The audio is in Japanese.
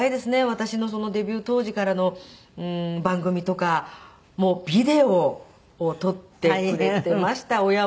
私のデビュー当時からの番組とかビデオを録ってくれていました親は。